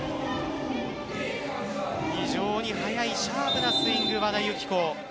非常に速いシャープなスイング和田由紀子。